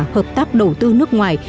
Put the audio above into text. hợp tác đầu tư nước ngoài